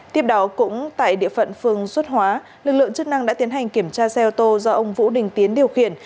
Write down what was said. tiếp đó cũng tại địa phận phương xuất hóa lực lượng chức năng đã tiến hành kiểm tra xe ô tô do ông vũ đình tiến điều khiển